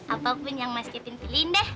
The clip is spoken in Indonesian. apa pun yang mas kevin pilih deh